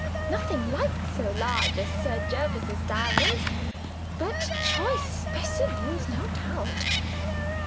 "Nothing like so large as Sir Jervis's diamonds; but choice specimens no doubt.